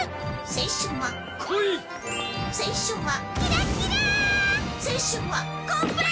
青春は。